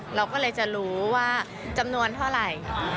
เขาไม่รู้ว่าจำนวนเท่าไร